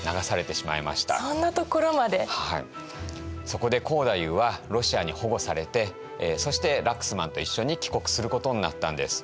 そこで光太夫はロシアに保護されてそしてラックスマンと一緒に帰国することになったんです。